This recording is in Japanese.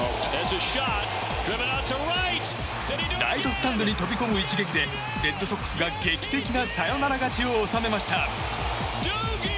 ライトスタンドに飛び込む一撃でレッドソックスが劇的なサヨナラ勝ちを収めました。